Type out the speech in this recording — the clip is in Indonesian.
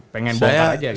pengen baca aja gitu